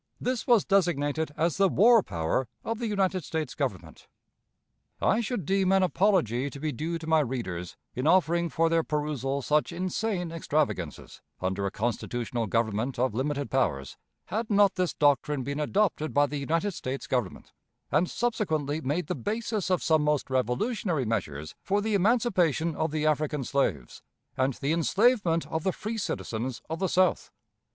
This was designated as the "war power" of the United States Government. I should deem an apology to be due to my readers, in offering for their perusal such insane extravagances, under a constitutional Government of limited powers, had not this doctrine been adopted by the United States Government, and subsequently made the basis of some most revolutionary measures for the emancipation of the African slaves and the enslavement of the free citizens of the South.